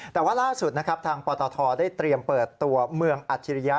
แต่ว่าล่าสุดนะครับทางปตทได้เตรียมเปิดตัวเมืองอัจฉริยะ